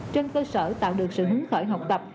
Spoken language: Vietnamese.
trên cơ sở tạo được sự hứng khởi học tập